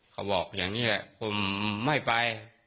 เขาบอกอย่างนี้แหละผมไม่ไป